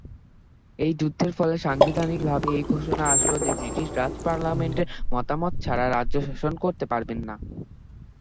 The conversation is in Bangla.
এই যুদ্ধের ফলে সাংবিধানিক ভাবে এই ঘোষণা আসল যে, ব্রিটিশ রাজ পার্লামেন্টের মতামত ছাড়া রাজ্য শাসন করতে পারবেন না।